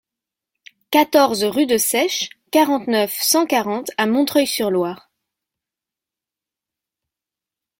quatorze rue de Seiches, quarante-neuf, cent quarante à Montreuil-sur-Loir